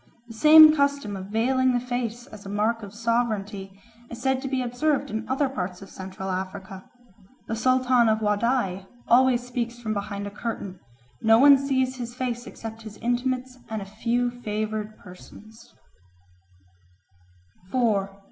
The same custom of veiling the face as a mark of sovereignty is said to be observed in other parts of Central Africa. The Sultan of Wadai always speaks from behind a curtain; no one sees his face except his intimates and a few favoured persons.